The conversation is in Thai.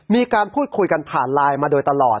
มีการพูดคุยกันผ่านไลน์มาโดยตลอด